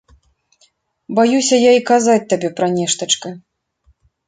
Баюся я й казаць табе пра нештачка.